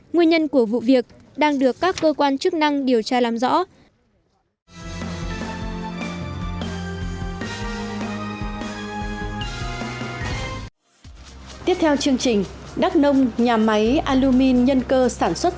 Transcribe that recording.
nguyên nhân của vụ việc đang được các cơ quan chức năng điều tra làm rõ